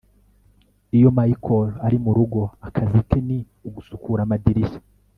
iyo michael ari murugo, akazi ke ni ugusukura amadirishya